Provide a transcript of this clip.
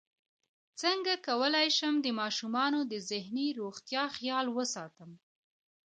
څنګه کولی شم د ماشومانو د ذهني روغتیا خیال وساتم